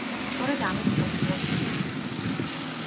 სწორედ ამით ცოცხლობს იგი.